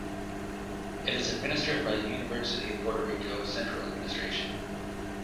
It is administered by the University of Puerto Rico, Central Administration.